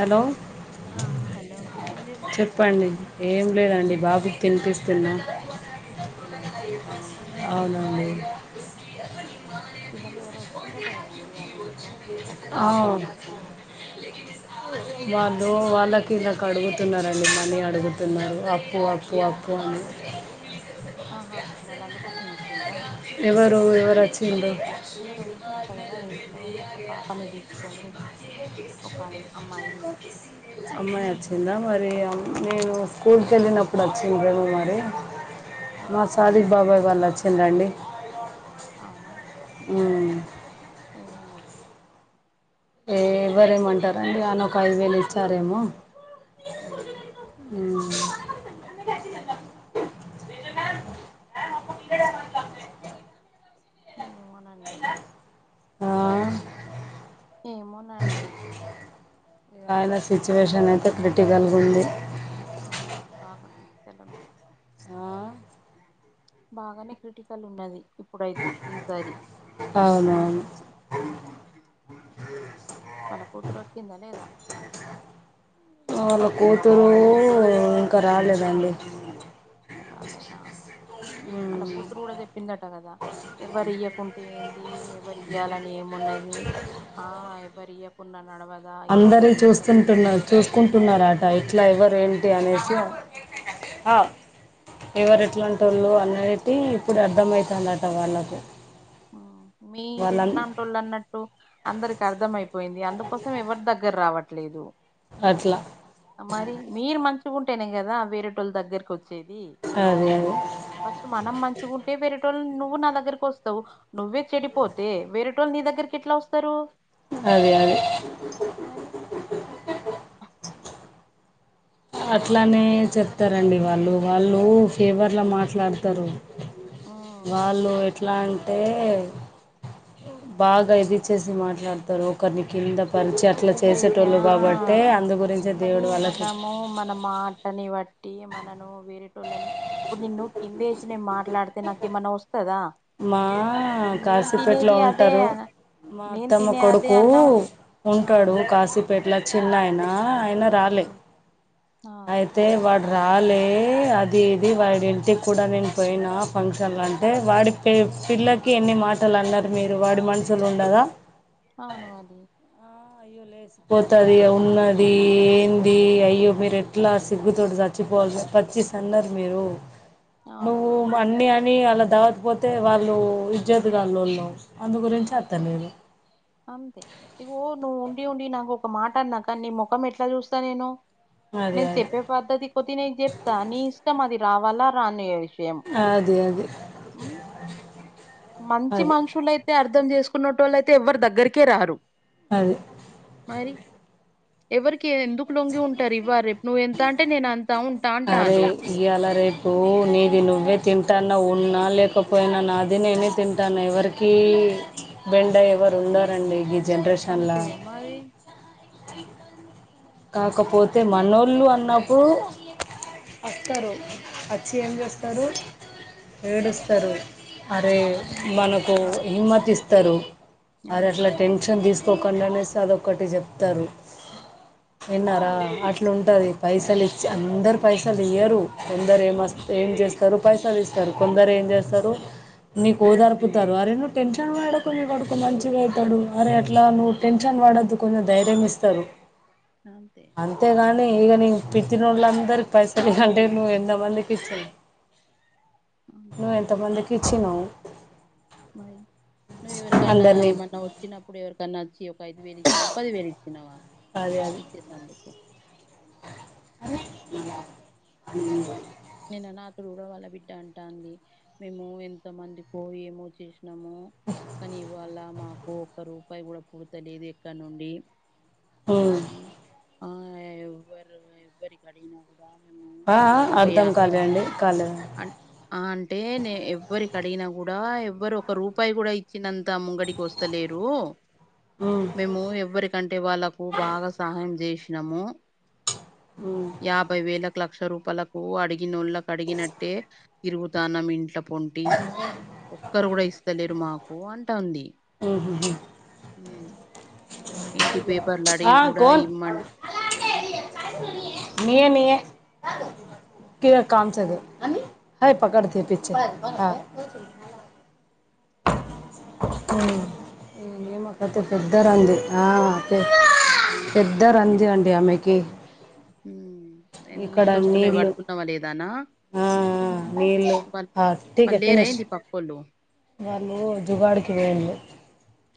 Hello. ఆ hello ఏం చేస్తున్నారండి. చెప్పండి ఏం లేదండి బాబుకి తినిపిస్తున్నా. తినబెడుతున్నారా అవునండీ. అవునా అవునా ఇవాళ ఎవరో వచ్చిండట కదండి వాళ్ళ ఇంట్లో ఒక ఆ, పాపనీ తీసుకొని. వాళ్ళు వాళ్ళకింద కడుగుతున్నారండి మనీ అడుగుతున్నారు అప్పు అప్పు. ఏ అప్పు అప్పు అని. ఆహా వాళ్ళు అందుకోసమే వచ్చిండ్రా ఎవరు ఎవరొచ్చిండ్రు. ఎవరో స్ప్రింగ్ బాయ్ వచ్చిండట కదా వాల్ ఇంట్లో బి ఒక హాయ్ పాపని హాయ్. తీసుకొని ఒక ఆయమ్- అమ్మాయి త అమ్మాయి వచ్చిందా మరి నేను స్కూల్ కి వెళ్ళినప్పుడు వచ్చింది చూడు మరి. ఆ మా సాదిక్ బాబాయి వాళ్ళ వచ్చిండ్రు అండి. అవునా. హుమ్మ్. ఏమన్నార్. ఏ ఎవ్వరేమంటారండి అన ఒక ఐదు వేలు ఇచ్చారేమో. ఓ. హ్మ్. ఏమని. ఆ. ఏమోనండి. ఆయన సిచ్యువేషన్ అయితే క్రిటికల్గా ఉంది. అవునా బాగా క్రిటికల్ ఉంది. ఆ, బాగానే క్రిటికల్ ఉన్నది ఇప్పుడైతే ఈసారి. అవునవును. వళ్ళ కూతురు వచ్చిందా లేదా. వాళ్ళ కూతురు ఇంకా రాలాలేదండి. రాలేదా. వళ్ళ ఉమ్. కూతురు కూడా చెప్పిందట కదా ఎవ్వరు ఇయ్యకుంటే ఏంది. ఎవరి ఇయ్యాలని ఏమున్నది ఆ ఎవరు ఇయకున్నా నడవద్. అందరి చూస్తుంటున్నారు. చూసుకుంటున్నారట ఇట్లా ఎవరు ఏంటి అనేసి. ఎవరు ఎట్లాంటి వాళ్ళు అనేటిది ఇప్పుడు అర్థమవుతుందట వాళ్ళకు. మీరు వాళ్ళం ఎట్లాంటోళ్ళు అన్నట్టు. అందరికి అర్థమయిపోయింది అందుకోసమే ఎవరు దగ్గర రావట్లేదు. అట్లా. ఆ మరి మీరు మంచిగాగుంటేనే కదా వేరే వాళ్ళు దగ్గరకి వచ్చేది. అదే అదే ఫస్ట్ మనం మంచిగుంటే వెరెటోళ్లు నువ్వు నా దగ్గరకోస్తావు నువ్వే చెడిపోతే వేరేటోళ్లు నీ దగ్గరికి ఎట్లా వస్తరు అదే అదే మరీ నిన్న అదే అట్లానే చే- చెప్తారండి వాళ్లు వాళ్లు ఫేవర్లా మాట్లాడతారు ఉమ్, వాళ్లు ఎట్లా అంటే బాగా ఇది చేసి మాట్లాడతారు ఒకరిని కింద పరిచ్ కిందేసి మాట్లాడితే ఆ గురించే కానీ దేవుడు వాళ్ళకి మనము మన మాటని వాట్టి ట్టి మనను వేరేటోళ్ళని ఇప్పుడు నిన్ను కిందేసి నేను మాట్లాడితే నాక్ ఏమన్నా వస్తదా మా నేను కాశీపేటలో తినేది అదే ఉంటారు అన మా నేను అత్తమ్మ తినే అదే కొడుకూ అన్నం ఆ ఉంటాడు కాశీపేటల చిన్నయన ఆయన రాలే హ్మ్. ఆ అయిత్ తే వాడు రాలే అది ఇది వాడి ఇంటికి కూడా నేను పోయినా ఫంక్షన్లాంటే వాడిప్ ఏ పిల్లకి ఎన్ని మాటలు అన్నారు మీరు వాడి మనుషుల ఉండదా అవును అది వదిలేసి పోతాది ఇగ ఉన్నది ఏంది అయ్యో మీరెట్లా సిగ్గుతోటి జాచ్ చ్చిపోవాలన్న పచ్చీస్ అన్నారు మీరు [inaudible] నువ్వు అన్ని అని అలా దావత్ పోతే వాళ్లు ఇజాత్ గాలోళ్లు హమ్తే అంమ్తే ఇగో నువ్వు ఉండి ఉండి నాకోక మాట అన్నా నీ ముఖం ఎట్లా జూస్తా నేను అది నేను అది చెప్పే పద్ధతి కొద్ది నేను జేప్తా నీ ఇష్టం అది రావాలా రానియాస్ అదే అదే మంచి మనుషులయితే అర్థం జేసుకునేటోలైతే ఎవ్వరు దగ్గరకే రారు అదే మరీ ఎవరికి ఎందుకు లొంగి ఉంటారు ఇవ్వ రేపు నువ్ ఎంత అంటే నేన్ అంతా ఉంటా అరే అంటాన్రు ఇయ్యాల రేపు నీది నువ్వే తింటన్నావు, ఉన్నా లేకపోయినా నాది నేనే తింటాను ఎవరికి కి బెండాయి ఎవరు ఉండారండి గిద్ అంతే మరీ [unintelligible] కాకపోతే మనోళ్లు అన్నప్పుడు అస్తారు అచ్చి ఏం జేస్తారు ఏడుస్తారు అరే మనకు హిమ్మత్ ఇస్తారు ఆరే అంతే అట్లా టెన్షన్ దీసుకోకండానేసి అదొక్కటి చెప్తారు విన్నారా అట్లుంటది అన్ పైసలు ఇస్తే చీ అందరు పైసలు తీయ్యరు ఎందరె మస్త ఏం జేస్తారు పైసలుస్తా స్తారు కొందరు ఏం అన్ జేస్తారు నీకు ఓదరుపుతారు అరే నువ్వు టెన్షన్ వాడకు మీ కొడుకు మంచిగా అయితాడు అరే అట్లా నువ్వు టెన్షన్ వాడొద్దు కొంచెం ధైర్యం ఇస్తారు అంతే అంతేగాని ఇగ నీ పిత్తినోళ్ళందరికి పైసలు ఇయి కంటే నువ్వు ఎంత మందికి ఇస్తావు [inaudible] నువ్వ ఎంత మందికి ఇచ్చినావు మరీ నువ్ ఎవరికైనా అందరినీ ఏమన్నా వచ్చినప్ ఇప్పుడు ఎవరికన్నా వచ్చి ఒక ఐదు వేలు ఇచ్చినావా పది వేలు ఇచ్చినావా ఇచ్చేది అందుకు అ [unintelligible] నేను నాక్కడ కూడా వాళ్ళ బిడ్డ అంటాంది మేము ఎంత మంది పో ఏమో చే న్నాము కానీ ఇవాళ మాకు ఒక్క రూపాయి కూడా పూర్త లేదు ఎక్కడ నుండి ఉమ్ ఆ ఎవ్వరు ఎవరీ కాడా కూడా మేము ఒక అర్థం యా కాలే అండి కాలేద్ అన్ ఆ అంటే నే ఎవ్వరి క అడిగిన కూడా ఎవ్వరు ఒక రూపాయి కూడా ఇచ్చినంత ముంగడికి వస్తలేరు ఉమ్ మేము ఎవరికంటే వాళ్ళ బాగా సహాయం చేసినాము ఉమ్ యాభై వేలకు లక్ష రూపాయలు ఓ అడిగినోళ్ళకి అడిగినట్టే తిరుగుతానం ఇంట పొంటి ఒక్కరు కూడా ఇస్తలేరు మాకు అంటా ఉంది ఊహు ఇంటి పేపర్లు అడివి ఆ కూడా ఇమ్మం నియే నియే [unintelligible] పకడతే పచ్చే ఆ ఏ మ అతే పొట్టిది పెద్ద వచ్చిందా రంది ఆ పెద్ద రంది అండి ఆమెకి ఏ నీళ్ళు వస్తున్నాయి పడుతున్నావా లేదానా ఆ ఆ నీళ్ళు వ ఆ ఠీక్ వాళ్ళు హై లేరా ఫినిష్ ఏందీ పాపోలు వాళ్ళు జుగాడికి వెేయిళు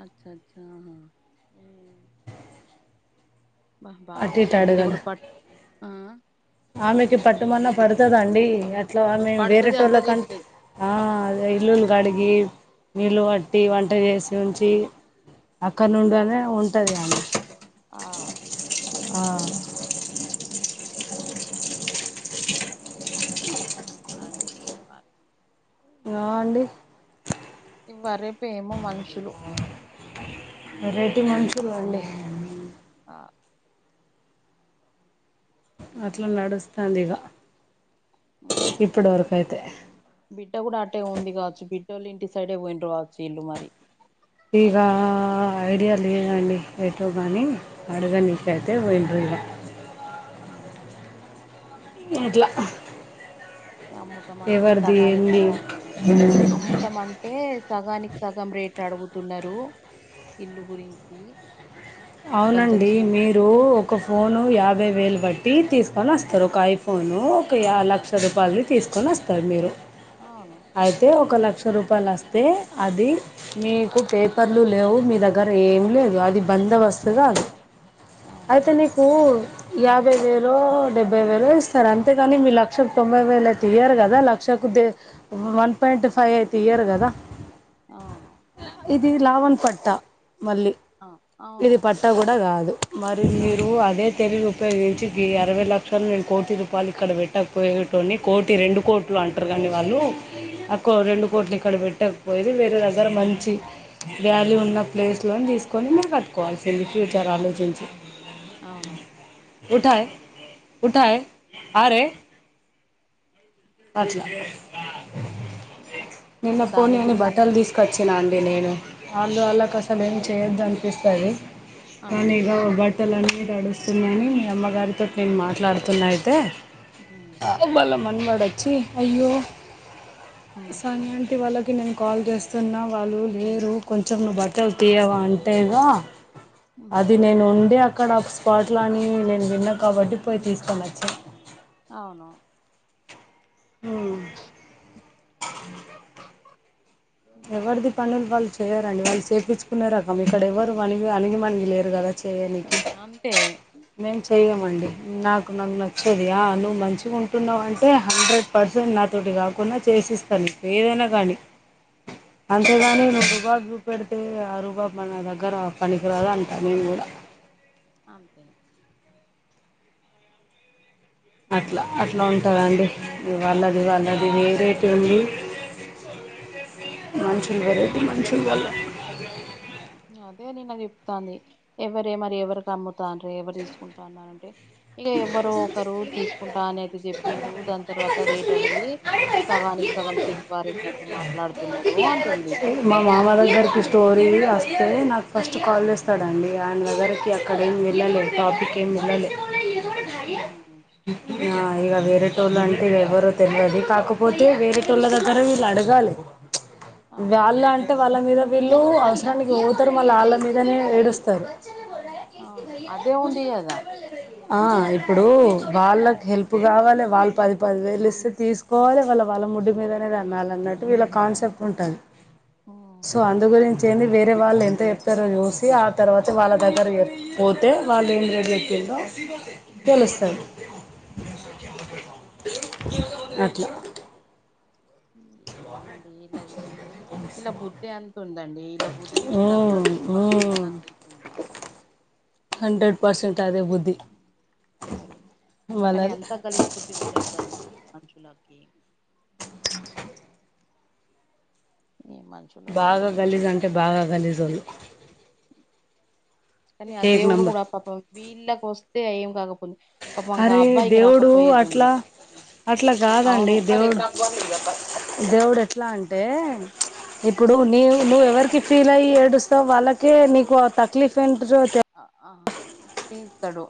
అచ్చ అచ్చహ బా అటు ఇటు బాగుంటుంది అడగలే లేకుండా పట్ ఆ ఆమెకి పట్టుమన్న పడుతుందండి అట్లా ఆమె పడుతది వేరేటోళ్ళ అంతా కంటే చేత్తది అదే ఇల్లులు కడిగి నీళ్ళు పట్టి వంట చేసి ఉంచి అక్కడ ఆ నుండి అనే ఉంటది ఆమె ఆ ఆ అండి ప ఆ అండి ఇవ రేపు ఏమో మనుషులు వెరైటి మనుషులండీ ఆ అట్లా నడుస్తాంది ఇగ ఇప్పటి వరకు అయితే బిడ్డ కూడా అటే ఉంది కావచ్చు బిడ్డలు ఇంటి సైడే పాయింరూ కావచ్చు మరి ఇగ ఐడియా లేదండి ఎటో కానీ అడుగ నికయితే వోయిండ్రు ఆ ఇంట్ల అమ్ముతం అంటే సగానికి ఏంది సగ అమ్ముతం అంటే అంటే సగానికి సగం రేట్ అడుగుతున్నారు ఇల్లు గురించి అవునండి గంతొచ్చి మీరు ఒక ఫోను యాభై వేలు బట్టి తీసుకొని వస్తారు ఒక ఐఫ ఫోను ఒక అవును లక్ష రూపాయలవి తీసుకొని వస్తారు మీరు అవును అయితే ఒక లక్ష రూపాయలు వస్తే అది మీకు పేపర్లు లేవు మీ దగ్గర ఏం లేదు అది బందోబస్తు స్తుగా అవును అయితే నీకు యాభై వేలు డెబ్బై వేలు ఇస్తారు అంతేగాని మీ లక్షలు తొంభై వేలు అయితే ఇయ్యారు కదా లక్ష [unintelligible] వన్ పాయింట్ ఫైవ్ అయితే ఇయరు కదా ఆ ఇది లావణ పట్ట మళ్ళీ ఆ అవును ఇది పట్టా కూడా కాదు మరి మీరు కాదు అదే తెలివి ముప్పై నుంచి అరవై లక్షలు నేను కోటి రూపాయలు ఇక్కడ పెట్టకపోయటని కోటి రెండు కోట్ అంటారు కానీ వాళ్ళు రెండు మ్ కోట్లు ఇక్కడ పెట్టకపోయిది వేరే దగ్గర మంచి వ్యాల్యూ ఉన్న మ్ ప్లేస్ లోని తీసుకు కొన్ని కట్టుకోవాల్సింది ఫ్యూచర్ అలోచించి అవును ఉఠా ఉఠయ ఆ రే అట్లా అ నిన్న పోనీ అని బట్టలు తీసుకొచ్చిన అండి నేను వాళ ఆ వాళ్ళకి అసలు ఏం చేయొద్దంట చేస్తారు కానీ అవును ఇక బట్ లన్నీ తడుస్తున్నాయని మీ అమ్మగారితోటి నేను మాట్లాడుతున్నా అయితే హ వాళ్ళ మనవడు అచ్చి అయ్యో హ్మ్ కానింటి వాళ్ళకి నేను కాల్ చేస్తున్నా వాళ్ళు హ్మ్ లేరు కొంచెం నువ్వు బట్టలు తీయవా అంటేగా హ్మ్ అది నేను ఉండి అక్కడ వాట్ల అని నేను విన్నా కాబట్టి పోయి తీసుకోని వచ్చిన అవును హ్మ్మ్ ఎవరిది హ్మ్ పనులు వాళ్ళు చేయరండి, వాళ్ళు చేపించుకునే రకం ఇక్కడ ఎవరు వనిగి అణగి మనిగి లేరు కద చేయనికి అంతే మేము చెయ్యమండి, నాకు నాకు నచ్చింది ఆ నువ్వు మంచిగా ఉంటున్నావు అంటే హండ్రెడ్ పర్సన్ నాతోటి కాకున్నా చేసిస్తాను ఏదైనా కానీ అంతేగాని అంతే నువ్వు రుబాబు చూపెడితే ఆ రూబబు మన దగ్గర పనికిరాదు అంటా నేను గుడా అంతె అట్లా అట్లా ఉంటదండి ఇ వాళ్ళది వాళ్ళది ఏ రేటుంది మనుషులు వెరైటీ మనుషులు వాల అదే నిన్న చెప్తాంది ఎవరే మరి ఎవరికి అమ్ముతానరు ఎవరు తీసుకుంటాన్నారంటే ఇక ఎవరో ఒకరు తీసుకు కుంటా అని అయితే చెప్పిండ్రు, దాని తర్వాత రేట్ అడిగి సగానికి సగం తీసిపారేసినట్టు మాట్లాడుతున్నరు అన్ [unintelligible] మా మామ దగ్గరికి స్టోరీ అస్తే నాకు ఫస్ట్ కాల్ చేస్తాడండీ ఆయన దగ్గరికి అక్కడేం వెళ్లలే టాపిక్ ఏమ్ వెళ్ళలే హ్మ్ ఆ ఇక వేరేటోళ్ళు అంటే ఎవరో తెల్వది కాకపోతే వేరేటోళ్ళ దగ్గర వీళ్ళు అడగాలి. అవును [unintelligible] అంటే వాళ్ళ మీద వీళ్ళు అవసరానికి పోతారు మళ్ళా వాళ్ళ మీదనే ఏడుస్తారు. కేస్ కి అవును తయార్ హై అదే ఉంది ముజేకి కదా కుచ్ గడ్బడ్ లే ఆ ఇప్పుడు వాళ్ళకి హెల్ప్ కావాలి, వాళ్ళు పది పది వేలు ఇస్తే తీసుకు పోవాలి వాళ్ళ వాళ్ళ ముడ్డి మీదనే తన్నాలన్నట్టు వీళ్ళ కాన్సెప్ట్ ఉంటది సో హ్మ్ అందు గురించి ఏంది వేరే వాళ్ళు ఎంత చెప్తారో చూసి ఆ తర్వాత వాళ్ళ దగ్గర చెప్ పోతే వాళ్ళు ఏం రేట్ చెప్పిండ్రో తెలుస్తది అవును అట్లా ఏమోనండి వీళ్ళది వీళ్ళ బుద్ధే అంతుందండి వీళ్ళ బుద్ధిని మ్మ్, తగ్గట్టు పాపం మ్మ్. తనకు అయితుంది హండ్రెడ్ పర్సెంట్ అదే బుద్ధి. మరి కానీ వాళ్ళది అంత గలీజ్బుద్ధి ఉండద్దండి మనుషులకి ఏం మన్షు బాగా గలీజ్ అంటే బాగా గలీజోళ్లు కానీ ఆ ఏక్ దేవుడు నంబర్ కూడా పాపం వీళ్ళకు వస్తే ఏం కాకపోవును అరే దేవుడు అట్లా అట్లా అవును కాదండి దేవుడు దేవుడు ఎట్లా అంటే ఇప్పుడు నీవు అంతే అంతే నువ్వెవరికి ఫీల్ అయ్యి ఏడుస్తావ్ వాళ్ళకే నీకు ఆ తక్లీఫ్ ఏంటిదో ఆ ఆ ఆ తీస్తాడు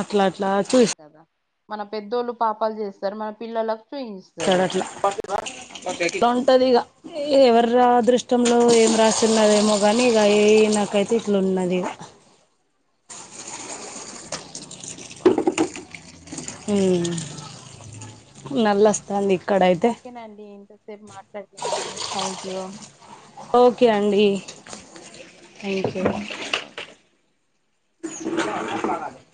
అట్లా అట్లా అదే కదా మన పెద్దోళ్ళు పాపాలు చేస్తారు మన పిల్లలకు చూయిస్తారు గదట్లా అంతే అంతే ఉంటదిగ ఎవర్రా ఏ, అదృష్ట ష్టంలో ఏం రాసున్నదేమో కాని ఇక ఇ నాకైతే ఇట్ల ఉన్నదిగ పా హమ్ నల్ల వస్తంది ఓకేనండి ఇంతసేపు మాట్లాడినందుకు థ్యాంక్ యూ ఓకే అండి, థ్యాంక్ యూ ఒకే [unintelligible]